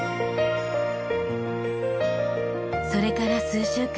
それから数週間。